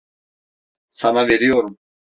Sana veriyorum.